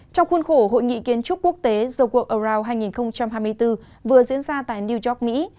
trong khuôn khổ hội nghị kiến trúc quốc tế the world around hai nghìn hai mươi bốn vừa diễn ra tại new york mỹ